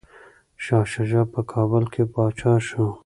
شاه شجاع په کابل کي پاچا شو.